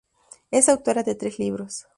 Es autora de tres libros.